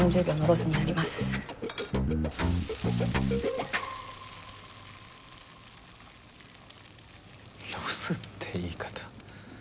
ロスって言い方。